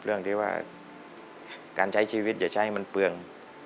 เรื่องที่ว่าการใช้ชีวิตอย่าใช้ให้มันเปลือง